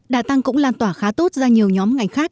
đà tăng cũng lan tỏa khá tốt ra nhiều nhóm ngành khác